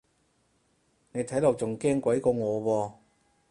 你睇落仲驚鬼過我喎